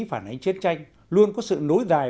phản ánh chiến tranh luôn có sự nối dài